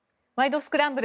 スクランブル」